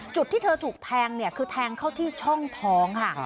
ที่เธอถูกแทงเนี่ยคือแทงเข้าที่ช่องท้องค่ะ